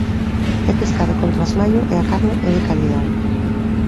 É pescado con trasmallo e a carne é de calidade.